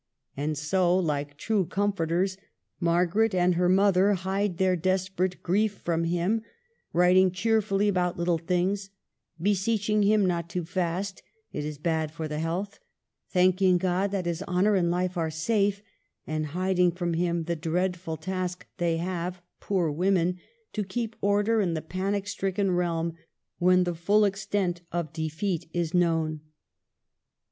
And so, like true com forters, Margaret and her mother hide their des perate grief from him ; writing cheerfully about little things ; beseeching him not to fast, it is bad for the health ; thanking God that his honor and life are safe ; and hiding from him the dreadful task they have — poor women !— to keep order in the panic stricken realm when the full extent of defeat is known.